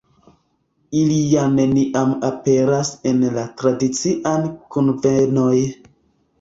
Ili ja neniam aperas en la tradiciaj kunvenoj.